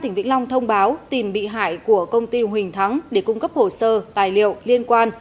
tỉnh vĩnh long thông báo tìm bị hại của công ty huỳnh thắng để cung cấp hồ sơ tài liệu liên quan